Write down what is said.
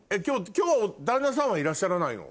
今日旦那さんはいらっしゃらないの？